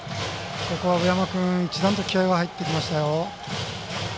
ここは上山君一段と気合いが入ってきました。